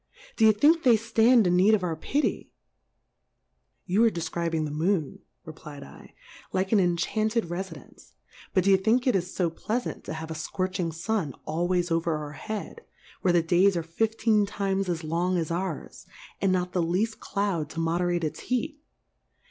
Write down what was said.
D'ye think then they ftand in need of our Pitty ? You are defcribing the Moon, reply ^/, like an enchanted Refidence ; but d'ye think it is fo pleafant to have a fcorching Sun always over our Head, where the Days arc fifteen times as long as ours, and not the leaft Cloud to mo derate its Heat